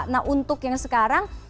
nah untuk yang sekarang